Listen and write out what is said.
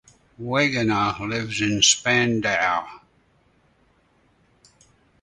Wegner lives in Spandau.